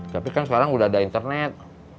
tapi kan sekarang udah ada internet